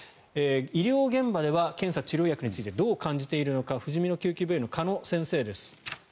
医療現場では検査・治療薬についてどう感じているのかふじみの救急病院の鹿野先生です。